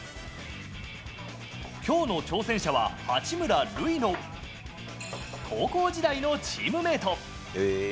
きょうの挑戦者は八村塁の高校時代のチームメート。